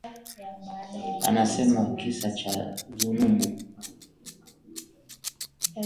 Anasema kisa cha dhunubu